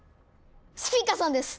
スピカさんです！